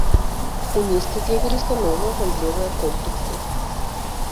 У месце з'явіліся новыя гандлёвыя комплексы.